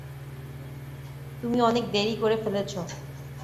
তুমি অনেক দেরি করে ফেলেছ।